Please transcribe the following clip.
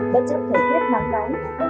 bất chấp thời tiết nắng nắng